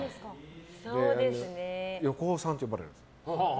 横尾さんって呼ばれる。